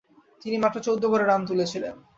তিনি মাত্র চৌদ্দ গড়ে রান তুলেছিলেন।